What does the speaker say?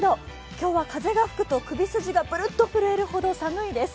今日は風が吹くと、首筋がブルッと震えるほど寒いです。